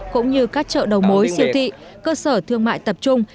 cũng như các chợ đầu mối siêu thị cơ sở thương mại tập trung